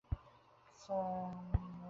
যাই বল তুমি, মেয়েরা বড়ো ন্যাকা।